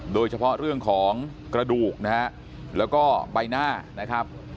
โดยเฉพาะเรื่องของกระดูกนะฮะแล้วก็ใบหน้านะครับ